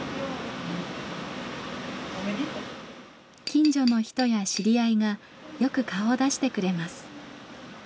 近所の人や知り合いがよく顔を出してくれます。